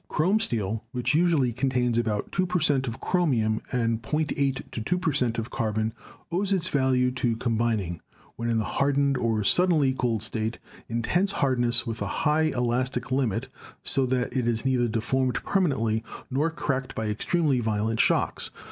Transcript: Chrome steel, which usually contains about 2 per cent, of chromium and 0.8 to 2 per cent, of carbon, owes its value to combining, when in the "hardened" or suddenly cooled state, intense hardness with a high elastic limit, so that it is neither deformed permanently nor cracked by extremely violent shocks.